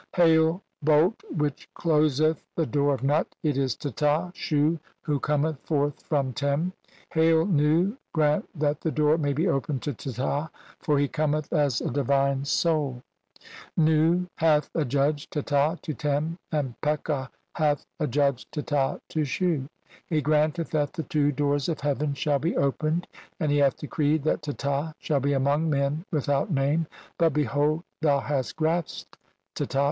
"Hail, bolt which closeth the door of Nut, it is Teta, "Shu who cometh forth from Tem. Hail, Nu, grant that "the door may be opened to Teta, for he cometh as "a divine soul." CXXVI INTRODUCTION. "Nu hath adjudged Teta to Tern, and Peka hath ad judged Teta to Shu. He granteth that the two doors "of heaven shall be opened, and he hath decreed that "Teta. shall be among men without name ; but behold, "thou hast grasped Teta.